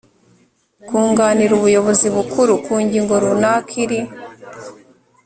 kunganira ubuyobozi bukuru ku ngingo runaka iri